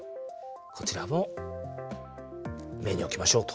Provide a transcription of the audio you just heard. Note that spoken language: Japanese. こちらも目に置きましょうと。